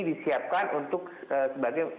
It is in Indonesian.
disiapkan untuk sebagai